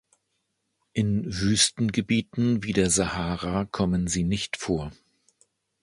In Wüstengebieten wie der Sahara kommen sie nicht vor.